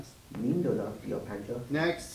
نیم دلار یا پنجاه سنت